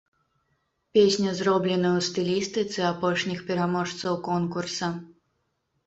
Песня зроблена ў стылістыцы апошніх пераможцаў конкурса.